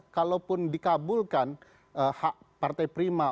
kalaupun dikabulkan hak partai prima